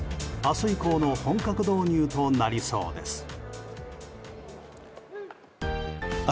明日以降の本格導入となりそうです。